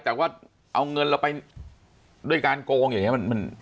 แต่ว่าเอาเงินเราไปด้วยการโกงอย่างนี้